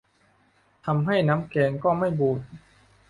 ทำให้น้ำแกงก็ไม่บูด